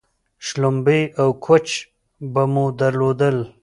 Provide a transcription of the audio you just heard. شلومبې او کوچ به مو درلودل